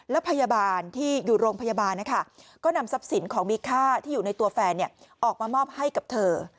และพยาบาลที่อยู่โรงพยาบาลนะคะก็นำทรัพย์สินของมีค่าที่อยู่ในตัวแฟนออกมามอบให้กับเธอ